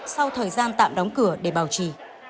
sau thời gian tạm đóng cửa để bảo trì